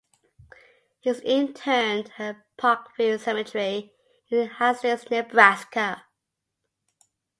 He is interned at Parkview Cemetery in Hastings, Nebraska.